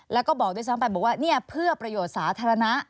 แล้วก็บอกด้วยซ้ำไปบอกว่าเนี่ยเพื่อประโยชน์สาธารณะ